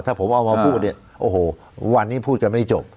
ถ้าผมเอามาพูดเนี่ยโอ้โหวันนี้พูดกันไม่จบ